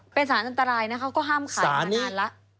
เป็นสารอันตรายนะเขาก็ห้ามขายมานานแล้ว